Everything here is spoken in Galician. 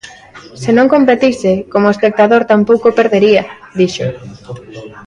"Se non competise, como espectador tampouco o perdería", dixo.